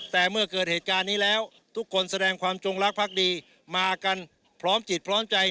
แต่เมื่อเกิดเหตุการณ์นี้แล้วทุกคนแสดงความจงรักภักดีมากันพร้อมจิตพร้อมใจ